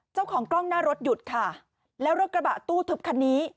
เจ้าของกล้องหน้ารถหยุดค่ะแล้วรถกระบะตู้ทึบคันนี้